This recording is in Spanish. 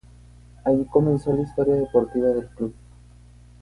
Allí comenzó la historia deportiva del club.